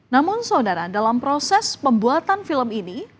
namun saudara dalam proses pembuatan film ini